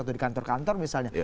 atau di kantor kantor misalnya